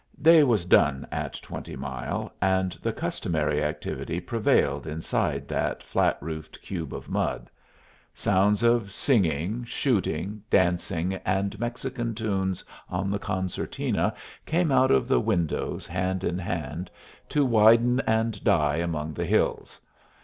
Day was done at Twenty Mile, and the customary activity prevailed inside that flat roofed cube of mud. Sounds of singing, shooting, dancing, and Mexican tunes on the concertina came out of the windows hand in hand, to widen and die among the hills.